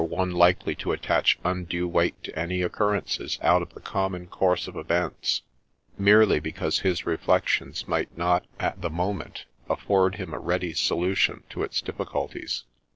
Ill one likely to attach undue weight to any occurrence out of the common course of events, merely because his reflections might not, at the moment, afford him a ready solution of its difficulties.